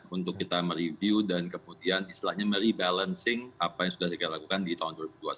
untuk kita mereview dan kemudian istilahnya merebalancing apa yang sudah kita lakukan di tahun dua ribu dua puluh satu